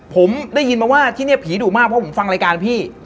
ผมได้ยินมาว่าที่นี่ผีดุมากเพราะผมฟังรายการพี่